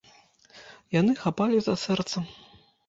Яны хапалі за сэрца.